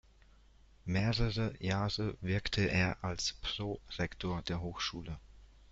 Mehrere Jahre wirkte er als Prorektor der Hochschule.